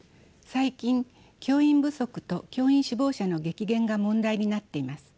最近教員不足と教員志望者の激減が問題になっています。